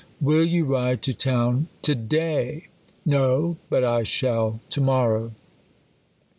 Will you ride to town to day? No ; but 1 shall to morrow.